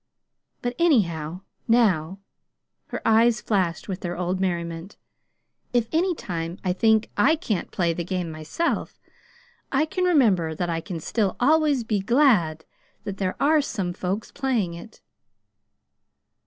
But, anyhow, now " her eyes flashed with their old merriment "if any time I think I can't play the game myself I can remember that I can still always be GLAD there are some folks playing it!"